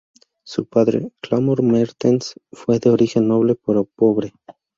Su padre, Clamor Mertens, fue de origen noble pero pobre.